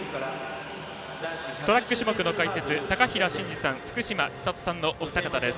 トラック種目の解説は高平慎士さん、福島千里さんのお二方です。